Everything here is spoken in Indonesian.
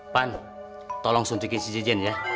pan tolong suntikin si jin ya